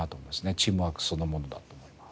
チームワークそのものだと思います。